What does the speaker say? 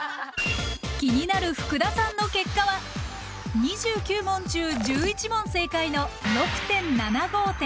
気になる福田さんの結果は２９問中１１問正解の６．７５点。